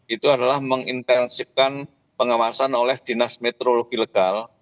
itu adalah mengintensifkan pengawasan oleh dinas meteorologi legal